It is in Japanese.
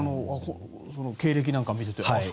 経歴なんか見ていても。